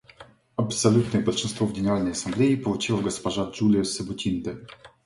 Абсолютное большинство в Генеральной Ассамблее получила госпожа Джулия Себутинде.